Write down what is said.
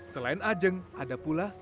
selain ajeng ada pula